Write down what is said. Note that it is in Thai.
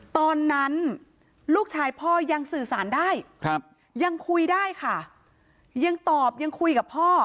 ตอนนั้นลูกชายพ่อยังสื่อสารได้ยังคุยได้ค่ะยังตอบยังคุยกับพ่อ